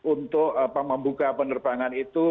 untuk membuka penerbangan itu